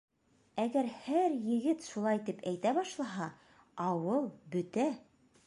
Әгәр һәр егет шулай тип әйтә башлаһа, ауыл бөтә!